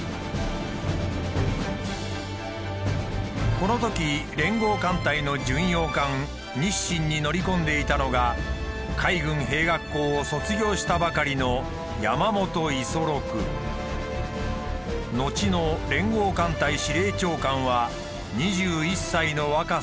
このとき連合艦隊の巡洋艦「日進」に乗り込んでいたのが海軍兵学校を卒業したばかりの後の連合艦隊司令長官は２１歳の若さだった。